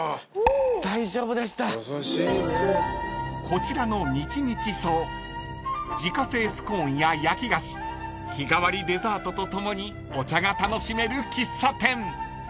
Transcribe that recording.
［こちらの日々草自家製スコーンや焼き菓子日替わりデザートと共にお茶が楽しめる喫茶店］